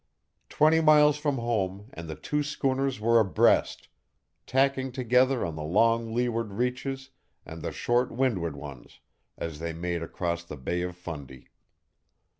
Twenty miles from home and the two schooners were abreast, tacking together on the long leeward reaches and the short windward ones, as they made across the Bay of Fundy.